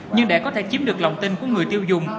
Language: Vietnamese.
nhưng để có thể chiếm được lòng tin của người tiêu dùng